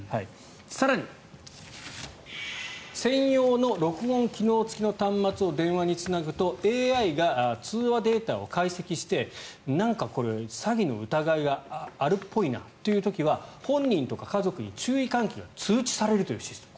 更に、専用の録音機能付きの端末を電話につなぐとＡＩが通話データを解析してなんかこれ、詐欺の疑いがあるっぽいなという時は本人とか家族に注意喚起が通知されるシステム。